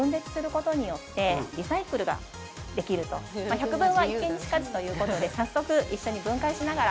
百聞は一見にしかずということで早速一緒に分解しながら。